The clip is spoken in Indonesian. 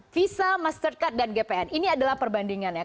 visa mastercard dan gpn ini adalah perbandingannya